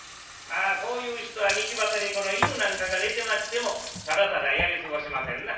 まあこういう人は道端に犬なんかが寝てましてもただただやり過ごしませんな。